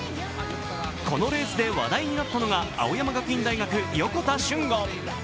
このレースで話題になったのが青山学院大学・横田俊吾。